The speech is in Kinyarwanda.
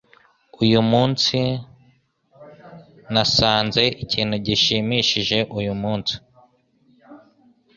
Uyu munsi nasanze ikintu gishimishije uyu munsi.